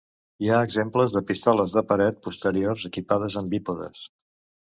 Hi ha exemples de pistoles de paret posteriors equipades amb bípodes.